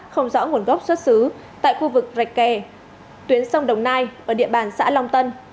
không rõ nguồn gốc xuất xứ tại khu vực rạch kè tuyến sông đồng nai ở địa bàn xã long tân